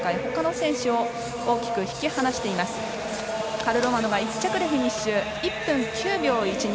カルロマノが１着でフィニッシュ１分９秒１２。